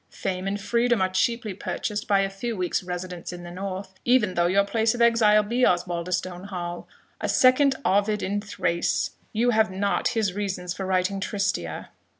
Fame and freedom are cheaply purchased by a few weeks' residence in the North, even though your place of exile be Osbaldistone Hall. A second Ovid in Thrace, you have not his reasons for writing Tristia."